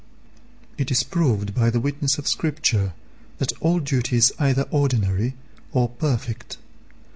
It is proved by the witness of Scripture that all duty is either "ordinary" or "perfect."